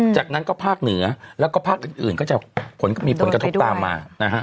จากนั้นก็ภาคเหนือแล้วก็ภาคอื่นก็จะมีผลกระทบตามมานะฮะ